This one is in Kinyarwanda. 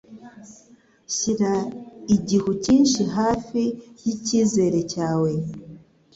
shyira igihu cyinshi hafi yicyizere cyawe